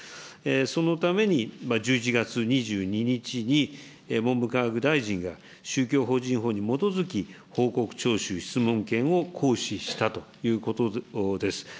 そのために、１１月２２日に文部科学大臣が宗教法人法に基づき、報告徴収質問権を行使したということです。